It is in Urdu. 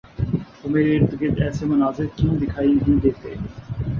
تو میرے ارد گرد ایسے مناظر کیوں دکھائی نہیں دیتے؟